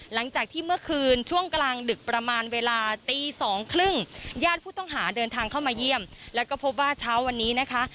หลังจากที่เมื่อคืนช่วงกลางดึกประมาณเวลาตีสองครึ่งญาติผู้ต้องหาเดินทางเข้ามาเยี่ยมแล้วก็พบว่าเช้าวันนี้นะคะ